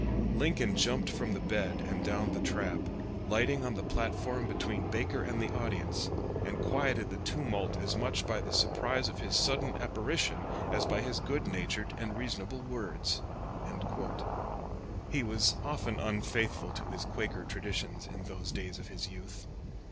Lincoln jumped from the bed and down the trap, lighting on the platform between Baker and the audience, and quieted the tumult as much by the surprise of his sudden apparition as by his good natured and reasonable words." [Lamon p. 396.] He was often unfaithful to his Quaker traditions in those days of his youth.